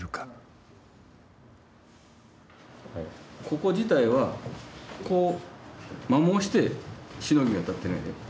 ここ自体はこう摩耗してしのぎが立ってるんやで。